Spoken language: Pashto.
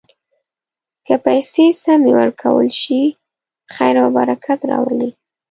که پیسې سمې وکارول شي، خیر او برکت راولي.